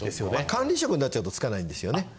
管理職になっちゃうとつかないんですよね。